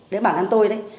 đấy bằng ăn tôi đấy